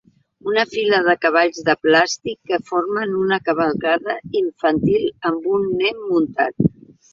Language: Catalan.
Una fila de cavalls de plàstic que formen una cavalcada infantil amb un nen muntat.